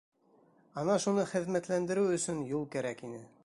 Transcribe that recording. Ана шуны хеҙмәтләндереү өсөн юл кәрәк ине.